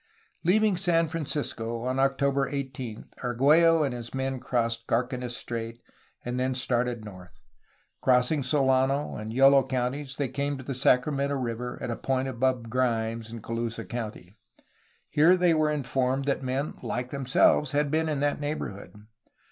Leaving San Francisco on October 18, Argiiello and his men crossed Carquines Strait, and then started north. Crossing Solano and Yolo counties they came to the Sacra mento River at a point above Grimes in Colusa County. Here they were informed that men like themselves had been in that neighborhood.